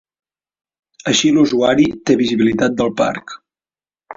Així l'usuari té visibilitat del Parc.